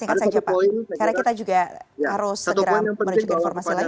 karena kita juga harus segera menunjukkan informasi lain